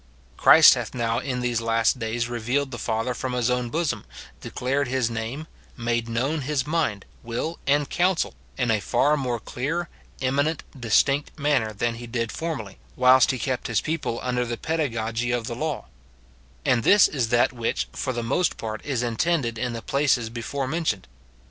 Christ hath now in these last days revealed the Father from his own bosom, declared his name, made known his mind, will, and counsel in a far more clear, eminent, distinct manner than he did for 272 MORTIFICATION OF merly, whilst he kept his people under the pedagogy of the law ; and this is that which, for the most part, is intended in the places before mentioned.